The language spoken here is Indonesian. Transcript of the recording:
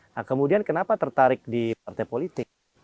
nah kemudian kenapa tertarik di partai politik